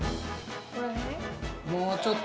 もうちょっとうえ。